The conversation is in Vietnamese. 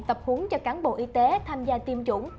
tập huấn cho cán bộ y tế tham gia tiêm chủng